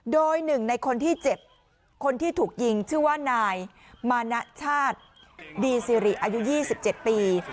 โดยหนึ่งในคนที่เจ็บคนที่ถูกยิงชื่อว่านายมานะชาติดีสิริอายุ๒๗ปี